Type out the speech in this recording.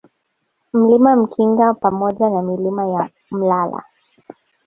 Mlima Mkinga pamoja na Milima ya Mlala